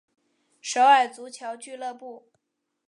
首尔足球俱乐部。